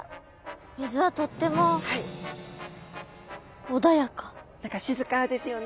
水はとっても何か静かですよね。